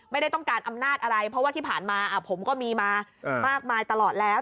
ไม่ได้ต้องการอำนาจอะไรเพราะว่าที่ผ่านมาผมก็มีมามากมายตลอดแล้ว